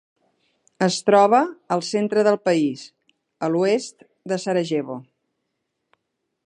Es troba al centre del país, a l'oest de Sarajevo.